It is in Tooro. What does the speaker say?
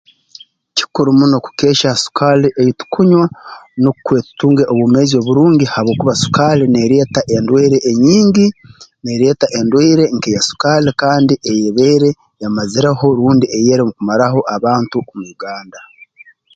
Kikuru muno kukeehya ha sukaali ei tukunywa nukwe tutunge obwomeezi oburungi habwokuba sukaali neereeta endwaire enyingi neereeta endwaire nk'eya sukaali kandi ei ebaire emazireho rundi eyeerumu kumaraho abantu mu Uganda